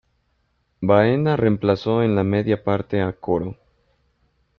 Baena reemplazó en la media parte a Coro.